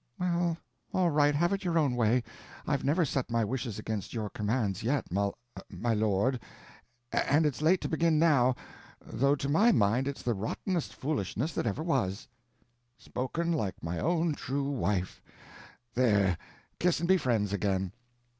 "Well, all right, have it your own way; I've never set my wishes against your commands yet, Mul—my lord, and it's late to begin now, though to my mind it's the rottenest foolishness that ever was." "Spoken like my own true wife! There, kiss and be friends again."